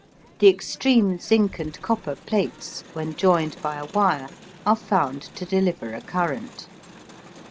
The extreme zinc and copper plates, when joined by a wire, are found to deliver a current.